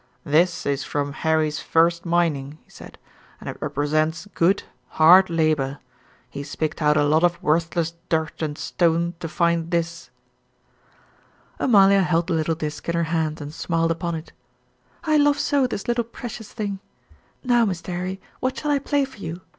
"This is from Harry's first mining," he said, "and it represents good, hard labor. He's picked out a lot of worthless dirt and stone to find this." Amalia held the little disk in her hand and smiled upon it. "I love so this little precious thing. Now, Mr. 'Arry, what shall I play for you?